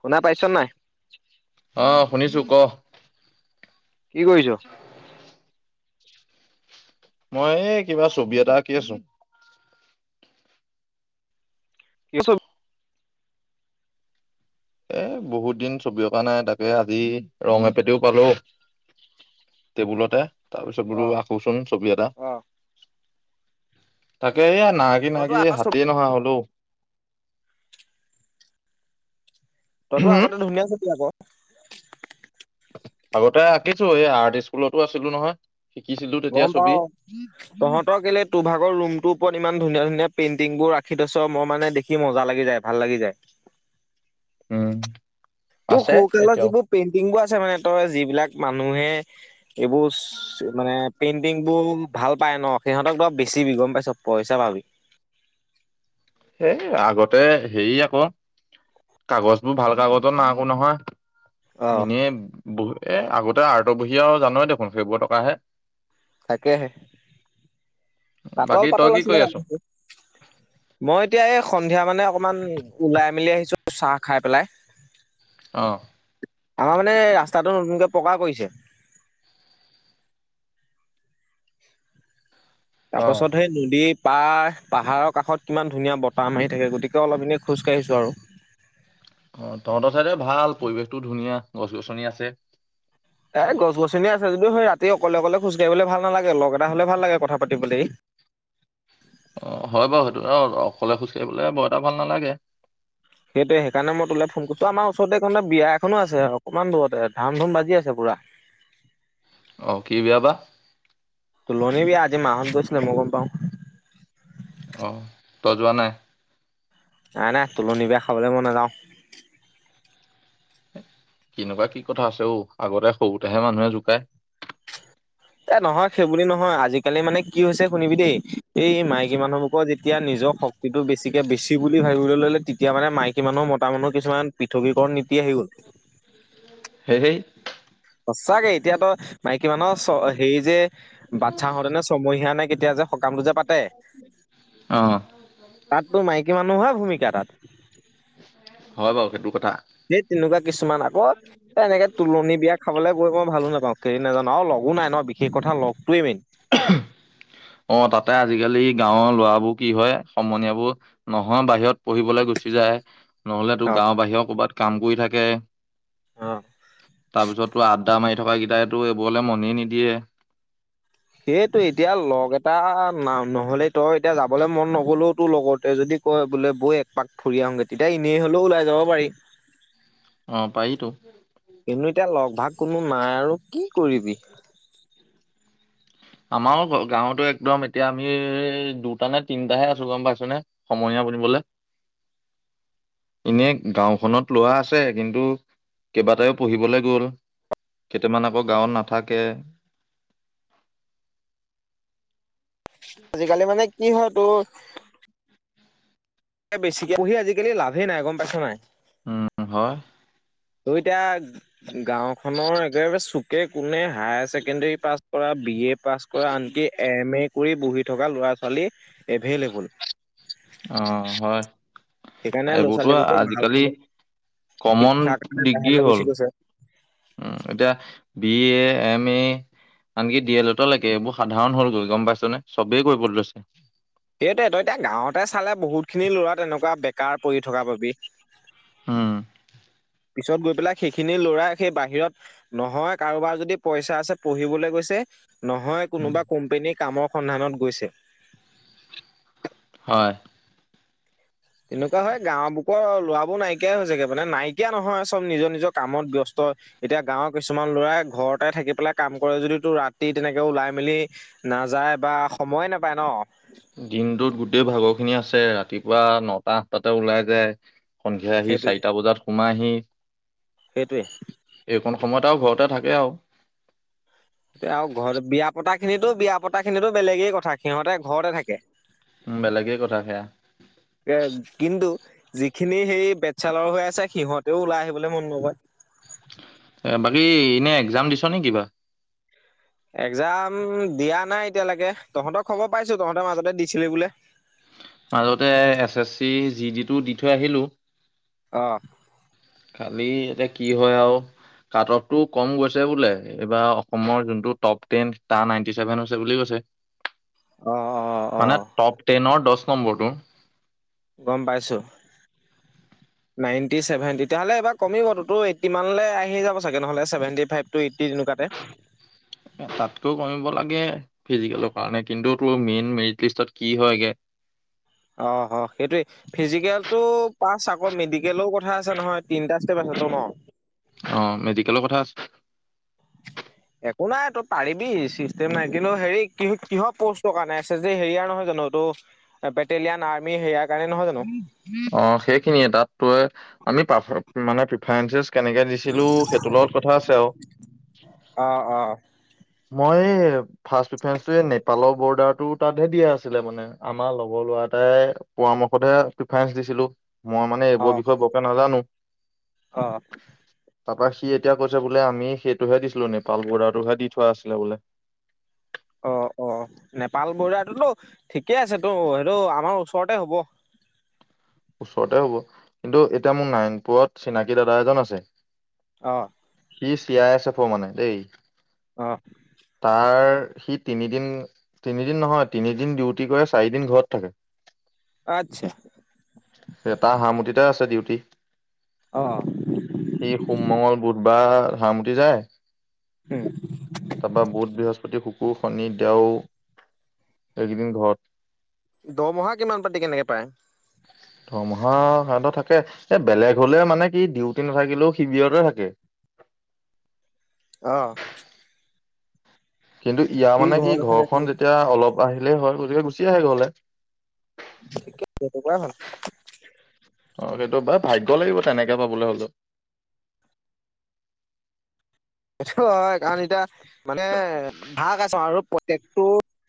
শুনা পাইছ নাই অ শুনিছো ক কি কৰিছ। মই এই কিবা ছবি এটা আঁকি আছো কি ছবি এ বহুত দিন ছবি অকা নাই তাকে আজি ৰং এপেটিও পালো টেবুলতে তাৰপিছত ব অ আকৌচোন ছবি এটা অ তাকে এইয়া নাঅকি তইতো নাঅকি আ হাতে নহোৱা হলোও তইতো আগতে ধুনীয়া আ ছবি আক আগতে আঁকিছো এই আৰ্ট স্কুলতো আছিলো নহয় শিকিছিলো তেতিয়া গম ছবি পাও তহঁতৰ কেলে তোৰ ভাগৰ ৰুমটোৰ ওপৰত ইমান ধুনীয়া ধুনীয়া। পেইণ্টিং বোৰ ৰাখি থৈছ মই মানে দেখি মজা লাগি যায় ভাল লাগি যায়। উম তোৰ আছে সোকালৰ এতিয়াও যিবোৰ পেইণ্টিং বোৰ আছে ছে মানে তই যিবিলাক মানুহে এইবোৰ মানে পেইন্টিং বোৰ ভাল পায় ন সিহঁতক ব বেছি বি গম পাইছ পইচা ভাবি। সেই আগতে হেৰি আকৌ কাগজ বোৰ ভাল কাগজত নাই একো অ নহয়। ইনেয় বহু এ আগতে আত বহিয় আৰু জানোৱেই দেখোন ফেব্ৰুৱাৰী টকা আহে। তাকেহে পাতল বাকী তই পাতল কি আছিলে কৰি আছ মই এতিয়া এই সন্ধিয়া মানে অকমান ওলাই মেলি আহিছো চাহ খাই পেলাই অঁ আমাৰ মানে ৰাস্তাটো নতুনকে পকা কৰিছে তাৰ অ পাছত সেই নদী পাহ পাহাৰৰ কাষত কিমান ধুনীয়া বতাহ মাৰি থাকে গতিকে অলপ দিনেই খোজকাাঢ়িছোঁ আৰু অ তহঁতৰ চাইদে ভাল পৰিৱেশটো ধুনীয়া গছ গছনি আছে। এ গছ গছনিয় আছে যদিও সেই ৰাতি অকলে অকলে খোজ ককাঢ়িবলৈ ভাল নালাগে লগ এটা হলে ভাল লাগে কথা পাতিবলৈ। অ হয় বাৰু সেইটো অকলে খোজ কাঢ়িবলে বাৰ এটা ভাল নালাগে সেইটোৱে সেইকাৰণে মই তোলে ফোন কৰিছো আমাৰ ওচৰতে বিয়া এখনো আছে অকমান দূৰতে ধান ধুম বাজি আছে পুৰা। আহ কি বিয়া বা তুলনী বি আজি মাহত গৈছিলে মই গম পাওঁ। অ তই যোৱা নাই নাই নাই তুলনি বিয়া খাবলৈ মই নাযাওঁ। কেনেকুৱা কি কথা আছে অঔ আগতে সৰুতেহে মানুহে জোকায়। এ নহয় সেইব নহয় আজিকালি মানে কি হৈছে শুনিবি দেই এই মাইকী মানুহবোৰকৰ যেতিয়া নিজৰ শক্তিটো বেছিকে বেছি বুলি ভাবিবলৈ ললে তেতিয়া মানে মাইকী কিমানৰ মত মানুহ কিছুমান পৃথৱীকৰণ নীতি আহি গ'ল [unintelligible] সঁচাকে এতিয়াতো মাইকী মানুহৰ চ হেৰি যে বাচ্ছাহতে নে ছমহীয়া নে কেতিয়া যে সকামটো যে পাতে অ তাততো মাইকী মানুহে ভূমিকা কা তাত হয় বাৰু সেইটো কথা সেই তেনেকুৱা কিছুমান আকৌ এনেকে তুলনি বিয়াক খাবলৈ গৈ মই ভালো নাপাওঁ কেনি নাজানো আৰু লগো নাই নহ বিশেষ কথা লগটোৱে মেইন অহ তাতে আজিকালি গাঁৱৰ ল'ৰাবোৰ কি হয় সমনীয়াবোৰ নহয় বাহিৰত পঢ়িবলৈ গুচি যায় নহ'লে তোৰ অ গাঁও বাহিৰে কবাত কাম কৰি থাকে অ তাৰপিছত আদ্দা মাৰি থকা কেইটাইটো এইবোৰলৈ মনে নিদিয়ে সেইটো এতিয়া লগ এটা না নহ'লে তই এতিয়া যাবলৈ মন নগলেও তোৰ লগৰতে যদি কয় বোলে বৈ এক পাক ফুৰি আহগৈ তেতিয়া এনেই হলেও ওলাই যাব পাৰি অ পাৰিতো কিন্তু এতিয়া লগ ভাগ কোনো নাই আৰু কি কৰিবি আমাৰো গাঁৱতো একদম এতিয়া আমি দুটা নে তিনিটাহে আছো গম পাইছনে সমনীয়া বুলিবলৈ এনেই গাঁওখনত ল'ৰা আছে কিন্তু কেইবাটায়েও পঢ়িবলে গ'ল কেইটামান আকৌ গাঁৱত নাথাকে আজিকালি মানে কি হয় [unintelligible] বেছিকে পঢ়ি আজিকালি লাভে নাই গম পাইছ নাই উম হয় তই এতিয়া গাওঁ খনৰ একেবাৰে চুকে কোনে হায়াৰ ছেকেণ্ডাৰী পাছ কৰা বি এ পাছ কৰা আনকি এম এ কৰি বহি থকা ল'ৰা ছোৱালী এভেইলেবল অ হয় সেইকাৰণে ল'ৰা- এইবোৰতো ছোৱালীবোৰকে আজিকালি ভালকৈ কমন শিক্ষাৰ কাৰণে ডিগ্ৰী বাহিৰলে হ'ল গুচি গৈছে। উম এতিয়া বি এ, এম এ আনকি ডি এল এত লৈকে এইবোৰ সাধাৰণ হ'লগৈ গম পাইছ নে চবেই কৰিব লৈছে সেইটোৱে তই এতিয়া কাৰ পৰি থকা পাবি হম পিছত গৈ পেলাই সেইখিনি ল'ৰাই সেই বাহিৰত নহয় কাৰোবাৰ যদি পইচা আছে পঢ়িবলৈ গৈছে নহয় কোনোবা কোম্পানীৰ কামক সন্ধানত গৈছে হয় এনেকুৱা হয় গাঁও বুকৰৰ ল'ৰাবোৰ নাইকিয়াই হৈ হৈছেগে মানে নাইকিয়া নহয় চব নিজৰ নিজৰ কামত ব্যস্ত এতিয়া গাঁৱৰ কিছুমান ল'ৰাই ঘৰতে থাকি পেলাই কাম কৰে যদিতো ৰাতি তেনেকে ওলাই মেলি নাযায় বা সময়ে নাপায় নহ দিনটোত গোটেই ভাগৰ খিনি আছে ৰাতিপুৱা নটা আঠটাতে ওলাই যায় সন্ধিয়া আহি সেইটো চাৰিটা বজাত সোমাইহি সেইটোৱে এইকণ সময়ত আৰু ঘৰতে থাকে আৰু এতিয়া আৰু ঘৰত বিয়া পতা খিনিতো বিয়া পতা সেইখিনিতো বেলেগেই কথা সিহঁতে ঘৰতে থাকে। উম বেলেগে কথা সেয়া। এ কিন্তু যিখিনি সেই বেটচালৰ হৈ আছে সিহঁতেও ওলাই আহিবলৈ মন নকয়। এ বাকী এনে এক্জাম দিছ নে কিবা। এক্জাম দিয়া নাই এতিয়ালৈকে তহঁতক খবৰ পাইছো, তহঁতৰ মাজতে দিছিলি বোলে। এই যি দি টো দি থৈ আহিলো। আহ খালি এতিয়া কি হয় আৰু কাট অফটো কম গৈছে বোলে এইবাৰ অসমৰ যোনটো টপ টেন তাৰ নাইনটি চছেভেন হৈছে বুলি কৈছে। অ', অ', মানে অ', টপ টেনৰ দহ দহ নম্বৰ টো। গম পাইছোঁ, নাইণ্টি চছেভেন তেতিয়াহ'লে এইবাৰ কমিব ততো এইটি মানলৈ আহি যাব চাগে নহ'লে চছেভেণ্টি ফাইভ টু এইটি তেনেকুৱাতে। তাতকৈ কমিব লাগে ফিজিকেলৰ কাৰণে কিন্তু তোৰ মেইন মেৰিট লিষ্টত কি হয়গে? অ সেইটোৱে ফিজিকেলতটো পাছ আকৌ মেডিকেলৰ কথা আছে নহয় তিনটা ষ্টেপ আছে ন। অ মেডিকেলৰ কথা আছে একো নাই তই পাৰিবি চিষ্টেম নাই কিন্তু হেৰি কি কিহৰ প'ষ্টৰ কাৰণে এছ এছ ডি হেৰিয়াৰ নহয় জানো তটো বেটেলিয়ান, আৰ্মি হেৰিয়া অ সেইখিনিয়ে তাত তয়ে আমি মানে প্ৰিফাৰেঞ্চেছ কেনেকে দিছিলো সেইটোৰ লগত কথা আছে আৰু। অ', অ', মই ফাৰ্ষ্ট প্ৰেফেৰেন্স নেপালৰ বৰ্ডাৰতটো তাতহে দিয়া আছিলে মানে আমাৰ লগৰ ল'ৰা এটাই পৰামৰ্শ সতে প্ৰিফাৰেন্স দিছিলো। মই মানে এইবোৰ অ', বিষয়ে বৰকে নাজানো। অ তাৰপা সি এতিয়া কৈছে বোলে আমি সেইটোহে দিছিলো নেপাল বৰ্ডাৰটো দি থোৱা আছিলে বোলে। অ অ নেপাল বৰ্ডাৰটোতো ঠিকেই আছে তো সেইটো আমাৰ ওচৰতে হ'ব। ওচৰতে হ'ব, কিন্তু এতিয়া মোৰ নাৰায়ণপুৰত চিনাকী দাদা এজন আছে। আহ। সি চি আই অফ ৰ মানে দেই। অ', তাৰ সি তিনিদিন তিনিদিন নহয় তিনিদিন ডিউটি কৰে চাৰিদিন ঘৰত থাকে। আত্ছা। তাৰ হাৰমতিতে আছে ডিউটি। অ', সি সোম, মঙল, বুধবাৰ বাৰ হাৰমতি যায়। উম, তাৰপা বুধ, বৃহস্পতি, শুকুৰ কুৰ, শনি, দেও এইকেইদিন ঘৰত দমহা কিমান পাতি কেনেকে পায়? হাঁহ সিহঁতৰ থাকে এ বেলেগ হলে মানে কি ডিউটি নাথাকিলেও শিভিয়তে থাকে। অঁ কিন্তু ইয়াৰ মানে কি থাকে ঘৰখন যেতিয়া অলপ আহিলেই হয় গতিকে গুচি আহে গলে। ঠিকে তেনেকুৱাই ভাল। অ' সেইটো ব ভাগ্য লাগিব তেনেকে পাবলৈ হলেও টো হয় কাৰণ এতিয়া। মানে আগ আৰু প্ৰত্যেকটো।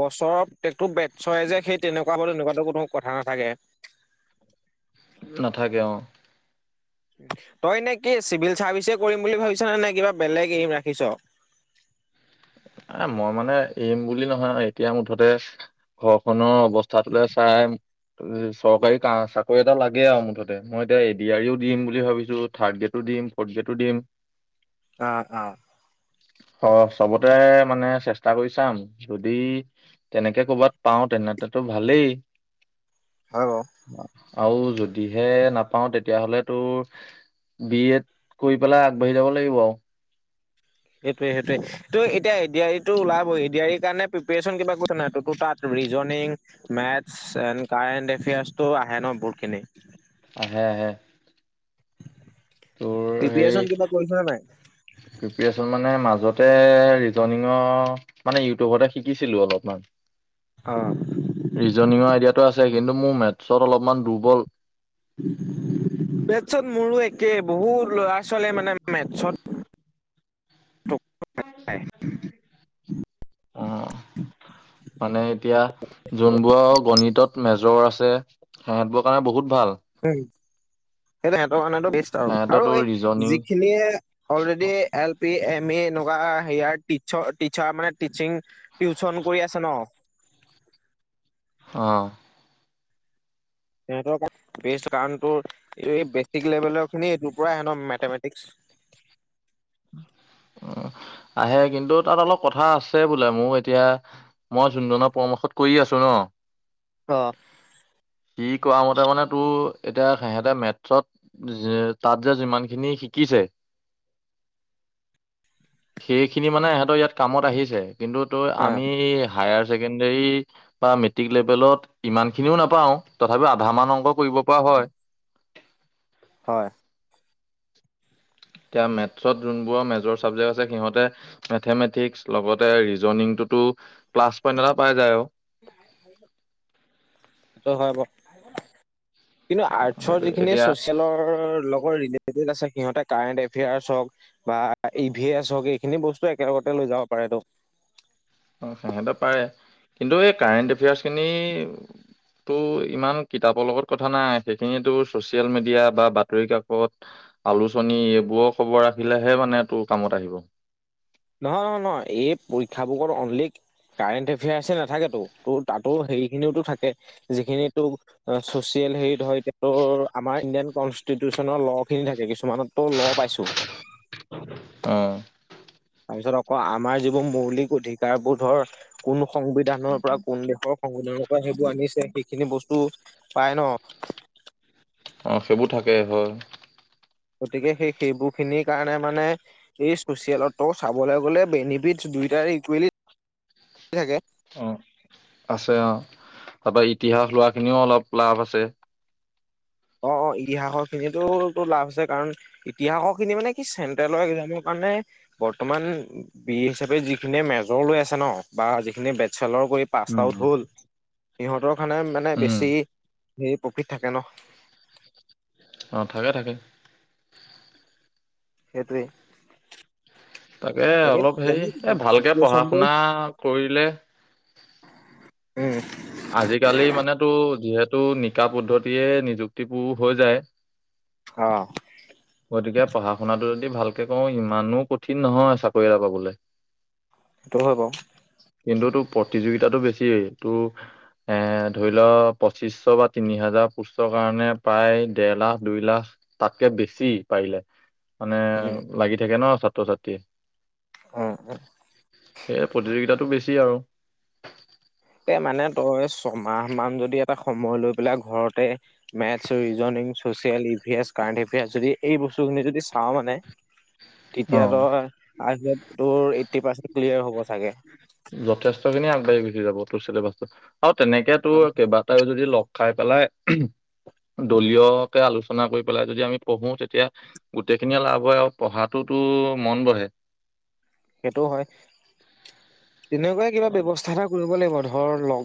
বছৰ প্ৰত্যেকটো বচৰে যে সেই তেনেকুৱা হলে তেনেকুৱাতো কোনো কথা নাথাকে নাথাকে অ' তই নে কি চিভিল চাৰ্ভিচ কৰিম বুলি ভাবিছ নে নে কিবা বেলেগ ৰাখিছ। এ মই মানে এৰিম বুলি নহয় আৰু এতিয়া মুঠতে ঘৰখনৰ অৱস্থাটোলে চাই চৰকাৰী চাকৰি এটা লাগে আৰু মুঠতে মই এতিয়া এডিও দিম বুলি ভাবিছো থাৰ্ড গ্ৰেডো দিম ফৰ্থ গ্ৰেডো দিম। অ -অ অ 'চব মানে চেষ্টা কৰি চাম যদি তেনেকে কৰ'বাত পাও তেনেো ভালেই। হয় বাৰু। অ' আৰু যদিহে নাপাওঁ তেতিয়াহলে তোৰ বি এড কৰি পেলাই আগবাঢ়ি যাব লাগিব আৰু। সটোোৱে সেইটোৱে ত' এতিয়া এডিটো ওলাব এডি আৰ ইৰ কাৰণে প্ৰিপচন কিবা কৈছে নাই ত তাত ৰিজনং মেথছ এ কাৰেণ্ট এফেয়াৰ্চটো আহে ন বহুতখিনি আহে -আহে তোৰ সেই প্ৰিপৰেচন কিবা কৰি থ নাই। প্ৰিপেৰেচন মানে মাজতে ৰিজনঙৰ মানে ইউটিউবতে শিকিছিলো অলপমান অ'। ৰিজনঙৰ আইডিয়াাতটো আছে। কিন্তু মোৰ মেথছত অলপমান দুৰ্বল। মেটচত মোৰো একে বহুত ল'ৰা। চলে মানে মেথছত। [inaudible] অ 'মানে এতিয়া যোনবোৰ গণিতত। মেজৰ আছে সিহঁতবোৰৰ কাৰণে বহুত। ভাল হয়। এনেই সিহঁতৰ কাৰণে টো। আৰু -আৰু সেহঁততো এই ৰিজনিং যিখিনিয়ে অলৰেডি এল। এম এ এনেকুৱা সেয়া ট টিচাৰ মানে টিচিং। টিউচন কৰি আছে ন। আহ। সিহঁতৰ বে কাৰণটো এই বেচিক লেভেলৰ খিনি এইটোৰ পৰা সিহঁতৰ মেথেমেটিকস। আহে কিন্তু তাত অলপ কথা আছে বোলে মোৰ এতিয়া মই যোন ধনৰ পৰামৰ্শত কৰি আছো ন' অ' কি কৰা মতে মানে তোৰ এতিয়া সিহঁতে মেথছত তাত যে যিমানখিনি শিকিছে। সেইখিনি মানে এহেতৰ ইয়াত কামত আহিছে। কিন্তু তই অ আমি হায়াৰ। বা মেট্ৰিক লেভেলত ইমান খিনিওঁ নাপাওঁ তথাপিও আধা মান অংক ৱ কৰিব পৰা হয়। হয়। এতিয়া মেথছত যোনবোৰ মেজৰ চাবজেক্ট আছে সিহঁতে মেথেমেটিক্স লগতে ৰিজনংটোতো ক্লাছ পটা পাই যায় অঁ সেইটো হয় বাৰু কিন্তু আৰ্টচৰ সেইটো যিখিনি এতিয়া চচিয়েলৰ লগত ৰিলেটেড আছে সিহঁতে কাৰেণ্ট এফেয়াৰ্চ হওঁক বা ই ভি এছ হওক এইখিনি বস্তু একেলগতে লৈ যাব পাৰে তো অঁ সিহঁতে পাৰে কিন্তু এই কাৰেণ্ট এফেয়াৰ্চ খিনিো ইমান কিতাপৰ লগত কথা নাই সেইখিনো ছচিয়েল মিডিয়া বা বাতৰি কাকত আলোচনী এইবোৰৰ খবৰ ৰাখিলেহে মানে তোৰ কামত আহিব নহয়, নহয়, নহয় এই পৰীক্ষা বোৰ অনলি কাৰেণ্ট এফেয়াৰ্চ নাথাকেতো ত তাতো হেৰিখিনিওো থাকে যিখিনি তো চচিয়েল হেৰি ধৰ ত' আমাৰ ইণ্ডিয়ান কনষ্টিটিউচনৰ ল' খিনি থাকে কিছুমানতো ল' পাইছো অঁ তাৰপিছত আকৌ আমাৰ যিবোৰ মৌলিক অধিকাৰবোৰ ধৰ কোন সংবিধানৰ পৰা কোন দেশৰ সংবিধানৰ পৰা সেইবোৰ আনিছে সেইখিনি বস্তু পাই ন অঁ সেইবোৰ থাকে হয় গতিকে সেই সেইবোৰখিনিৰ কাৰণে মানে এই ছ'চিয়েলত চাবলৈ গ'লে বেনিফিটছ দুয়োটাৰে ইকুৱেলি থাকে। অঁ আছে অঁ তাৰপৰা ইতিহাস লোৱাখিনিও অলপ লাভ আছে' অঁ অঁ ইতিহাসৰ খিনো লাভ হৈছে কাৰণ ইতিহাসৰ খিনি মানে কি চেন্ট্ৰেলৰ এক্জামৰ কাৰণে বৰ্তমান বি হিচাপে যিখিনি মেজৰ লৈ আছে ন বা যিখিনি বে খেলৰ কৰি পাষ্ট উম আউট হ'ল ইহঁতক মানে মানে উম বেছি সেই প্ৰকিট থাকে ন অঁ থাকে থাকে। সেইটোৱেই তাকে অলপ হেৰি এ ভালকে পঢ়া চিটুৱেচনটো শুনা কৰিলে উম আজিকালি মানেতো যিহেতু নিকা পদ্ধতিয়ে নিযুক্তিবোৰ হৈ যায়। অঁ গতিকে পঢ়া শুনাটো যদি ভালকে কওঁ ইমানো কঠিন নহয় চাকৰি এটা পাবলৈ সেইটো হয় বাৰু কিন্তু তটো প্ৰতিযোগিতাতটো বেছি তটো এ ধৰি লোৱা পঁচিছশ বা তিনি হাজাৰ পোষ্টৰ কাৰণে প্ৰায় দেৰ লাখ দুই লাখ তাতকে বেছি সি পাইলে মানে উম লাগি থাকে ন ছাত ছাতি অ অ সে প্ৰতিযোগিতাত টো বেছি আৰু মানে তই ছমাহ মান যদি এটা সময় লৈ পেলাই ঘৰতে maths reasoning social affairs current affairs যদি এই বস্তু খিনি যদি চাওঁ মানে অ তেতিয়া তই আত তোৰ ক্লিয়াৰ হ'ব চাগে যথেষ্টখিনি আগবাঢ়ি গচি যাব তোৰ চছিলেবাছটো অ তেনেকেতো কেইবাটাাইও যদি লগ খাই পেলাই দলীয়কে আলোচনা কৰি পেলাই যদি আমি পঢ়ো তেতিয়া গোটেইখিনিয়ে লাভ হয় আৰু পঢ়াতটোতো মন বঢ়ে সেইটোও হয় তেনেকুৱাই কিবা ব্যৱস্থা এটা কৰিব লাগিব ধ ঘৰ লগ